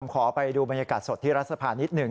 ขอไปดูบรรยากาศสดที่รัฐสภานิดหนึ่ง